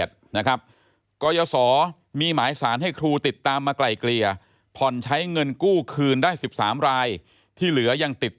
ยาท่าน้ำขาวไทยนครเพราะทุกการเดินทางของคุณจะมีแต่รอยยิ้ม